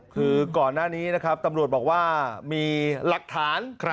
คือก่อนหน้านี้นะครับตำรวจบอกว่ามีหลักฐาน